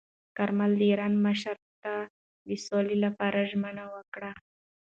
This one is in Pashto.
کارمل د ایران مشر ته د سولې لپاره ژمنه وکړه.